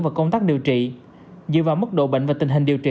và công tác điều trị